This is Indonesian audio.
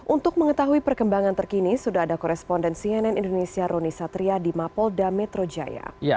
untuk mengetahui perkembangan terkini sudah ada koresponden cnn indonesia roni satria di mapolda metro jaya